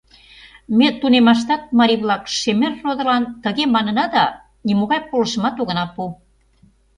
Ме тунеммаштат, марий-влак, шемер родылан тыге манына да, нимогай полышымат огына пу.